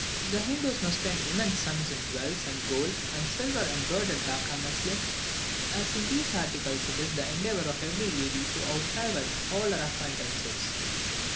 The Hindoos must spend immense sums in jewels and gold and silver embroidered Dacca muslin, as in these articles it is the endeavour of every lady to outrival all her acquaintances.